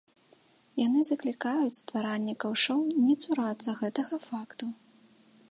Яны заклікаюць стваральнікаў шоў не цурацца гэтага факту.